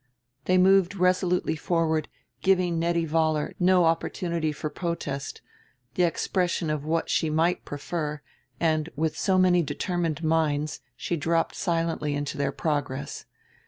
They moved resolutely forward, giving Nettie Vollar no opportunity for protest, the expression of what she might prefer; and, with so many determined minds, she dropped silently into their progress.